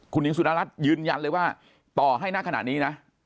คุณหญิงสุดารัฐยืนยันเลยว่าต่อให้ณขณะนี้นะ